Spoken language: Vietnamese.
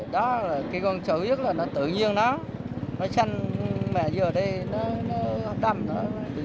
đó là cái con sò huyết là nó tự nhiên nó nó sinh mẹ vừa đây nó đầm nó